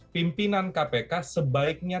pimpinan kpk sebaiknya